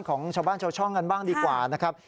ของชาวบ้านชาวช่องกันบ้างดีกว่านะครับ